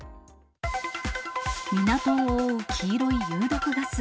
港を覆う黄色い有毒ガス。